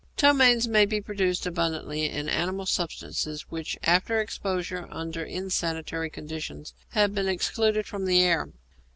Ptomaines may be produced abundantly in animal substances which, after exposure under insanitary conditions, have been excluded from the air.